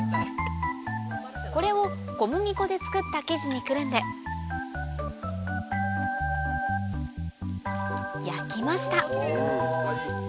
これを小麦粉で作った生地にくるんで焼きました